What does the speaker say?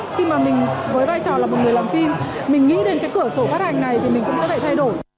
khi mà mình với vai trò là một người làm phim mình nghĩ đến cái cửa sổ phát hành này thì mình cũng sẽ phải thay đổi